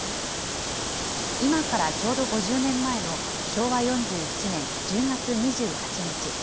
今からちょうど５０年前の昭和４７年１０月２８日。